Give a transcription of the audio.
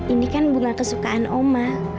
ini kan bunga kesukaan oma